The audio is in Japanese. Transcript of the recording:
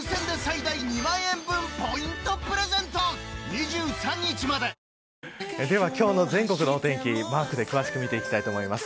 明日以降はでは今日の全国のお天気マークで詳しく見ていきたいと思います。